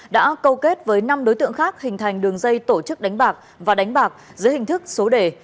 đã câu kết với năm đối tượng khác hình thành đường dây tổ chức đánh bạc và đánh bạc dưới hình thức số đề